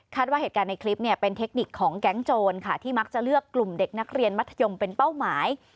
ว่าเหตุการณ์ในคลิปเนี่ยเป็นเทคนิคของแก๊งโจรค่ะที่มักจะเลือกกลุ่มเด็กนักเรียนมัธยมเป็นเป้าหมาย